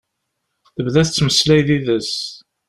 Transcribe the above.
Tebda tettmeslay d yid-s.